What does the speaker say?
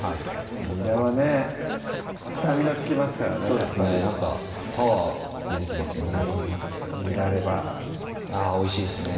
にらはねスタミナつきますからねやっぱりパワー出てきますよねなんかうんにらレバあぁおいしいですね